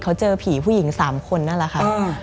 เขาเจอผีผู้หญิง๓คนนั่นแหละค่ะ